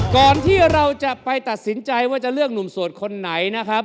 ก่อนที่เราจะไปตัดสินใจว่าจะเลือกหนุ่มโสดคนไหนนะครับ